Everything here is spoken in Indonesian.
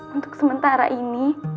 untuk sementara ini